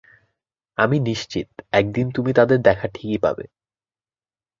আমি নিশ্চিত একদিন ঠিক তুমি তাদের দেখা পাবে।